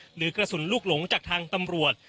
หรือกระสุนลูกหลงจากทางตำรวจ